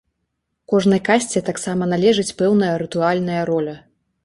Кожнай касце таксама належыць пэўная рытуальная роля.